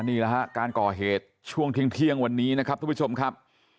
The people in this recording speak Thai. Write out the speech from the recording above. นี่แหละฮะการก่อเหตุช่วงเที่ยงวันนี้นะครับทุกผู้ชมครับ